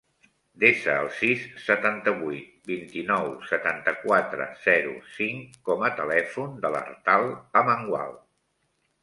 Desa el sis, setanta-vuit, vint-i-nou, setanta-quatre, zero, cinc com a telèfon de l'Artal Amengual.